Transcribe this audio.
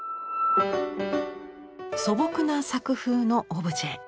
素朴な作風のオブジェ。